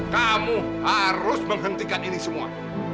kamu harus menghentikan ini semua